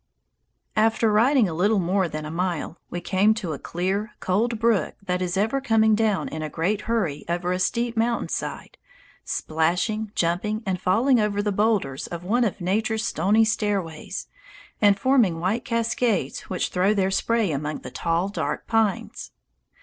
[Illustration: LONG'S PEAK FROM THE SUMMIT OF MT. MEEKER] After riding a little more than a mile, we came to a clear, cold brook that is ever coming down in a great hurry over a steep mountain side, splashing, jumping, and falling over the boulders of one of nature's stony stairways and forming white cascades which throw their spray among the tall, dark pines.